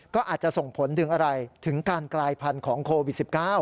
ก็อาจจะส่งผลถึงอะไรถึงการกลายพันธุ์ของโควิด๑๙